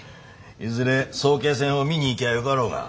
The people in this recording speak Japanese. いずれ早慶戦を見に行きゃあよかろうが。